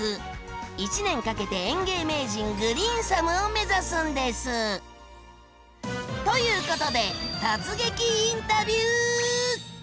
１年かけて園芸名人「グリーンサム」を目指すんです！ということで突撃インタビュー！